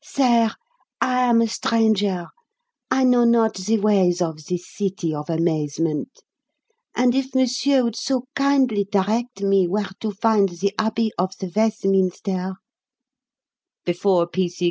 Sair, I am a stranger; I know not ze ways of this city of amazement, and if monsieur would so kindly direct me where to find the Abbey of the Ves'minster " Before P.C.